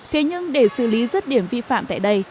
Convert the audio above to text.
thế nhưng để xử lý rứt điểm vi phạm tại đây